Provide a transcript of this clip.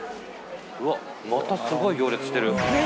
うわっまたすごい行列してる。